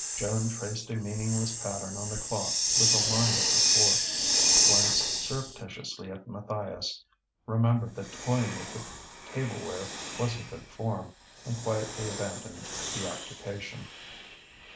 Joan traced a meaningless pattern on the cloth with a tine of her fork; glanced surreptitiously at Matthias; remembered that toying with the tableware wasn't good form, and quietly abandoned the occupation.